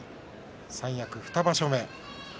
三役２場所目。